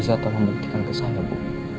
bisa tolong beritikan ke saya bu